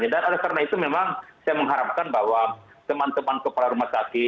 dan karena itu memang saya mengharapkan bahwa teman teman kepala rumah sakit